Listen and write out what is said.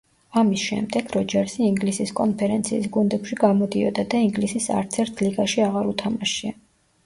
ამის შემდეგ როჯერსი ინგლისის კონფერენციის გუნდებში გამოდიოდა და ინგლისის არცერთ ლიგაში აღარ უთამაშია.